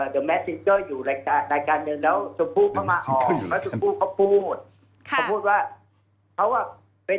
เธอสองคนให้ฉันพูดทุกเศษ